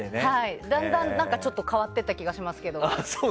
だんだんちょっと変わっていった気がしますけど。